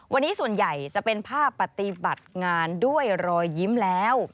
วันนี้ส่วนใหญ่จะเป็นภาพปฏิบัติงานด้วยรอยยิ้มแล้ว